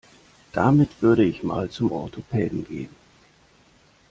Damit würde ich mal zum Orthopäden gehen.